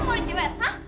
gua mau di jebel hah